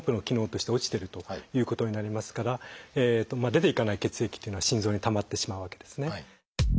機能としては落ちてるということになりますから出ていかない血液というのは心臓に溜まってしまうわけですね。